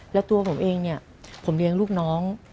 แล้วตัวผมเองเนี่ยผมเลี้ยงลูกน้อง